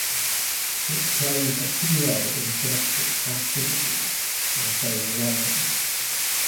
It plays a key role in synaptic plasticity and so in learning.